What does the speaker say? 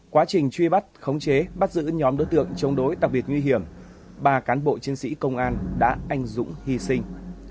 quá trình truy bắt khống chế bắt giữ nhóm đối tượng chống đối đặc biệt nguy hiểm ba cán bộ chiến sĩ công an đã anh dũng hy sinh